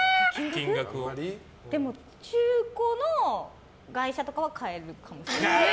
でも中古の外車とかは買えるかもしれない。